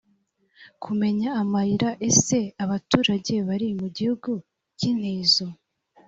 kumenya amayira ese abaturage bari mu gihugu k intizo